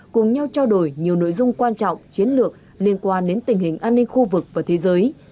cùng nhau trao đổi nhiều nội dung quan trọng chiến lược liên quan đến tình hình an ninh khu vực và thế giới